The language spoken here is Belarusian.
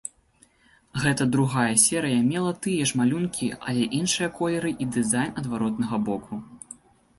Гэта другая серыя мела тыя ж малюнкі, але іншыя колеры і дызайн адваротнага боку.